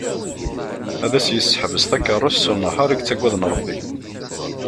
Ad as-d-yesseḥbes takarrust s unehhar i yettagaden Rebbi.